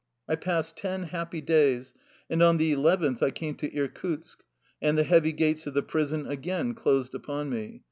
I passed ten happy days, and on the eleventh I came to Irkutsk, and the heavy gates of the prison again closed upon me.